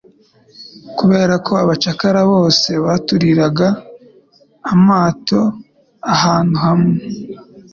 kubera ko abacakara bose batuririraga amato ahantu hamwe.